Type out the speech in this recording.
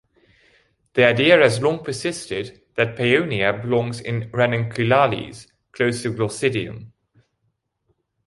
The idea has long persisted that "Paeonia" belongs in Ranunculales, close to "Glaucidium".